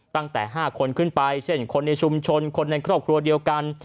ตั้งแต่๕คนขึ้นไปเช่นคนในชุมชนคนในครอบครัวเดียวกัน